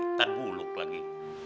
ntar buluk lagi